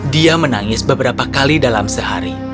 dia menangis beberapa kali dalam sehari